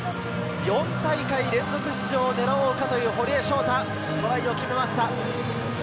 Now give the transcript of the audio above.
４大会連続出場を狙おうかという堀江翔太がトライを決めました。